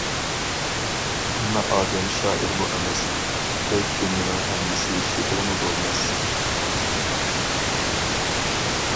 ھەممە ئادەم شائىرمۇ ئەمەس، تۆت جۈملىنىڭ ھەممىسى شېئىرمۇ بولماس.